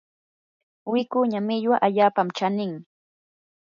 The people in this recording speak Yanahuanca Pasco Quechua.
wikuña millwa allaapa chaninmi.